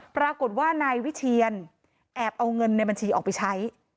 ปรากฏว่านายวิเชียนแอบเอาเงินในบัญชีออกไปใช้